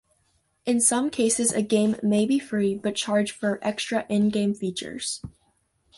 In some cases a game may be free, but charge for extra in-game features.